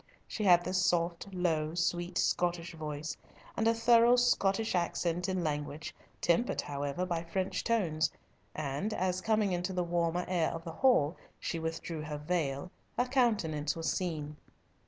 She had the soft, low, sweet Scottish voice, and a thorough Scottish accent and language, tempered, however, by French tones, and as, coming into the warmer air of the hall, she withdrew her veil, her countenance was seen.